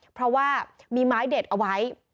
เพราะว่ามีไม้เด็ดเอาไว้